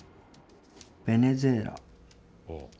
ベネズエラ。